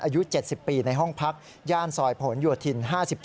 อายุ๗๐ปีในห้องพักย่านซอยผลโยธิน๕๒